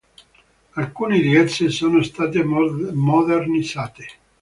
Alcune di esse sono state modernizzate.